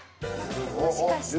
もしかして。